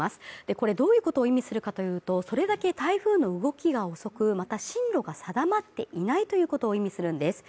これどういうことを意味するかというとそれだけ台風の動きが遅くまた進路が定まっていないということを意味するんです